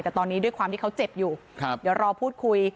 แต่ตอนนี้ด้วยความที่เขาเจ็บอยู่เดี๋ยวรอพูดคุย